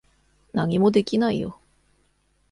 何もできないよ。